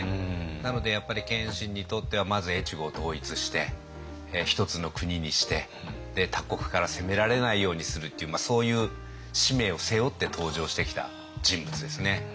なのでやっぱり謙信にとってはまず越後を統一して一つの国にして他国から攻められないようにするっていうそういう使命を背負って登場してきた人物ですね。